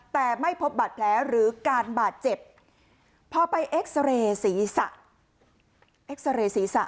แต่ไม่พบบาดแพ้หรือการบาดเจ็บพอไปเอ็กซ์เรย์ศีรษะ